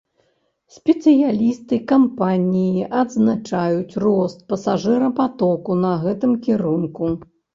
Спецыялісты кампаніі адзначаюць рост пасажырапатоку на гэтым кірунку.